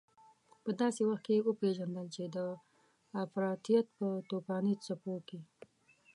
په داسې وخت کې وپېژندل چې د افراطيت په توپاني څپو کې.